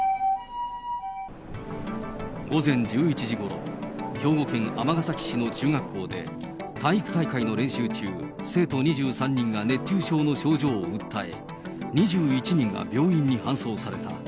午前１１時ごろ、兵庫県尼崎市の中学校で、体育大会の練習中、生徒２３人が熱中症の症状を訴え、２１人が病院に搬送された。